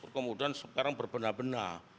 kemudian sekarang berbena bena